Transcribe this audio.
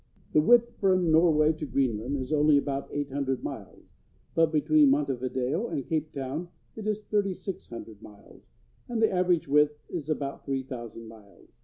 The width from Norway to Greenland is only about eight hundred miles, but between Montevideo and Cape Town it is thirty six hundred miles, and the average width is about three thousand miles.